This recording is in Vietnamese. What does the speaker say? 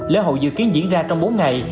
lễ hội dự kiến diễn ra trong bốn ngày